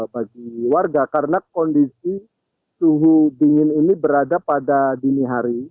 bagi warga karena kondisi suhu dingin ini berada pada dini hari